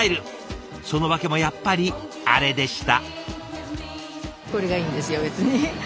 その訳もやっぱりあれでした。